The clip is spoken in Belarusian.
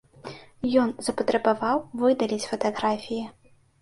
Ён запатрабаваў выдаліць фатаграфіі.